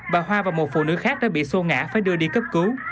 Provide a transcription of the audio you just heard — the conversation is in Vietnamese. bà hoa và một phụ nữ khác đã bị sô ngã phải đưa đi cấp cứu